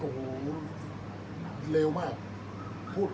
อันไหนที่มันไม่จริงแล้วอาจารย์อยากพูด